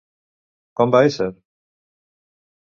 Com va ésser?